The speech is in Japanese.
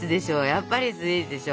やっぱりスイーツでしょ！